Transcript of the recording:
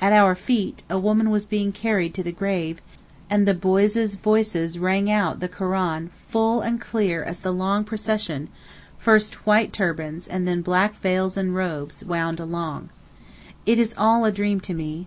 At our feet a woman was being carried to the grave, and the boys' voices rang out the Koran full and clear as the long procession—first white turbans and then black veils and robes—wound along. It is all a dream to me.